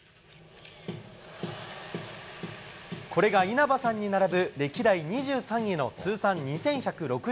これが稲葉さんに並ぶ歴代２３位の通算２１６７安打。